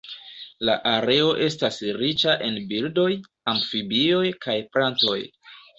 La areo estas riĉa en birdoj, amfibioj kaj plantoj.